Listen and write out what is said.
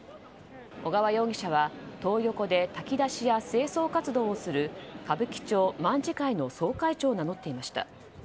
小川容疑者はトー横で炊き出しや清掃活動をする歌舞伎町卍会の総会長を名乗っていました。